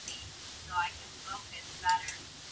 人間というものは